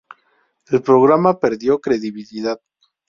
El programa perdió credibilidad.